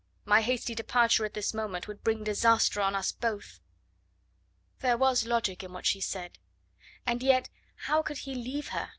My hasty departure at this moment would bring disaster on us both." There was logic in what she said. And yet how could he leave her?